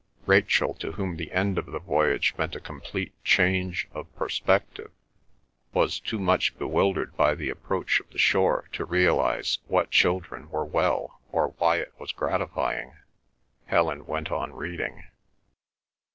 Rachel, to whom the end of the voyage meant a complete change of perspective, was too much bewildered by the approach of the shore to realise what children were well or why it was gratifying. Helen went on reading.